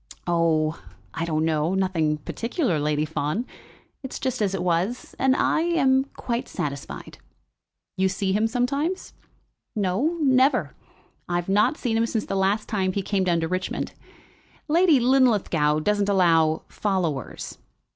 "Oh, I don't know; nothing particular, Lady Fawn. It's just as it was, and I am quite satisfied." "You see him sometimes?" "No, never. I have not seen him since the last time he came down to Richmond. Lady Linlithgow doesn't allow followers."